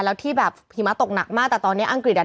แล้วที่แบบหิมะตกหนักมากแต่ตอนนี้อังกฤษอ่ะ